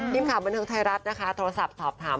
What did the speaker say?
ทีมข่าวบันเทิงไทยรัฐนะคะโทรศัพท์สอบถาม